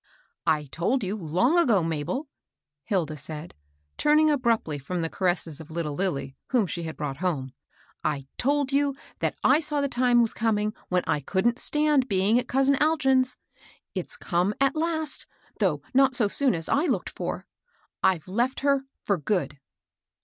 "I told you long ago, Mabel," Hilda said, turning abruptly fi'om the caresses of little Lilly, whom she had brought home, "I told you that I saw the time was coming when I couldn't stand being at cousin Algin's. It's come at last, though not so soon as I looked for. I've left her for good."